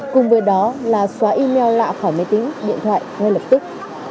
cùng với đó là xóa email lạ khỏi máy tính điện thoại ngay lập tức